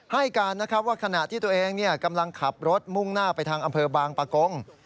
ให้การนะครับว่าขณะที่ตัวเองกำลังขับรถมุ่งหน้าไปทางอำเภอบางปะกง